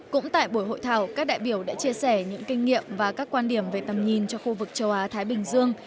cũng tại buổi hội thảo các đại biểu đã chia sẻ những kinh nghiệm và các quan điểm về tầm nhìn cho khu vực châu á thái bình dương